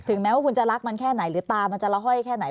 แม้ว่าคุณจะรักมันแค่ไหนหรือตามันจะละห้อยแค่ไหน